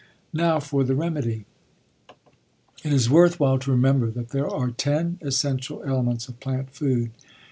Now for the remedy. It is worth while to remember that there are ten essential elements of plant food.